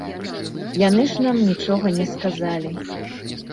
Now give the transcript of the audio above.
Яны ж нам нічога не сказалі.